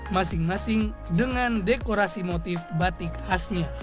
masing masing dengan dekorasi motif batik khasnya